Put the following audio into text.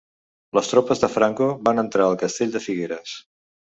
Les tropes de Franco van entrar al castell de Figueres.